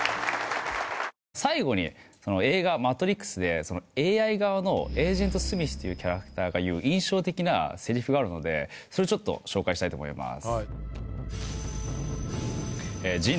最後に映画「マトリックス」でＡＩ側のエージェントスミスというキャラクターが言う印象的なセリフがあるのでそれちょっと紹介したいと思います